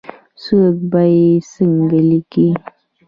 څوک به یې څنګه لیکې ؟